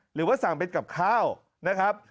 หรือว่าสั่งเป็นกับข้าวนะครับ